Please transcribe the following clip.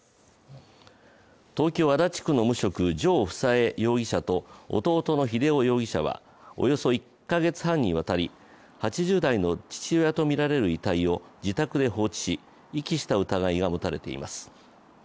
東京・足立区の無職城富佐江容疑者と弟の秀雄容疑者はおよそ１か月半にわたり８０代の父親とみられる遺体を自宅で放置し遺棄した疑いが持たれています。